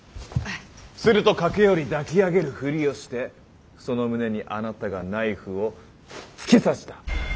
すると駆け寄り抱き上げるふりをしてその胸にあなたがナイフを突き刺した。